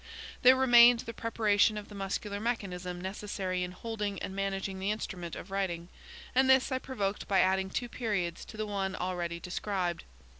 There remained the preparation of the muscular mechanism necessary in holding and managing the instrument of writing, and this I provoked by adding two periods to the one already described.